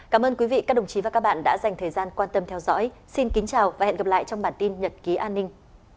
cảm ơn các bạn đã theo dõi xin kính chào và hẹn gặp lại trong bản tin nhật ký an ninh